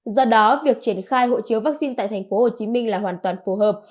do đó việc triển khai hộ chiếu vaccine tại thành phố hồ chí minh là hoàn toàn phù hợp